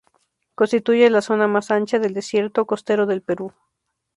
Constituye la zona más ancha del desierto costero del Perú.